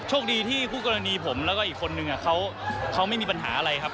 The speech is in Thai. คดีที่คู่กรณีผมแล้วก็อีกคนนึงเขาไม่มีปัญหาอะไรครับ